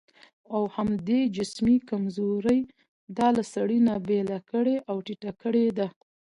او همدې جسمي کمزورۍ دا له سړي نه بېله کړې او ټيټه کړې ده.